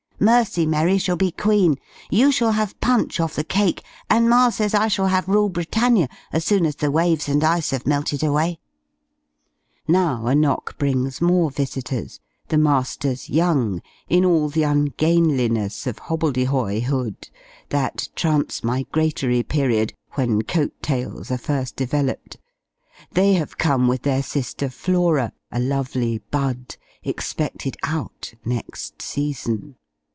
Mercy Merry shall be Queen. You shall have Punch off the cake; and ma'says I shall have "Rule Britannia," as soon as the waves and ice have melted away. Now a knock brings more visitors, the Masters Young, in all the ungainliness of hobbledyhoyhood that transmigratory period when coat tails are first developed: they have come with their sister Flora, a lovely bud, expected "out" next season.